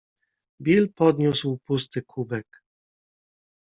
Bill podniósł pusty kubek.